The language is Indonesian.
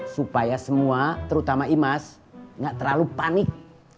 supaya semua terutama imas nggak terlalu panik